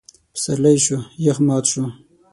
پسرلی شو؛ يخ مات شو.